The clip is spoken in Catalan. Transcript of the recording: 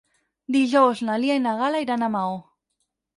Dijous na Lia i na Gal·la iran a Maó.